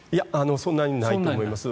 そんなにないと思います。